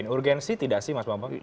urgensi tidak sih mas bambang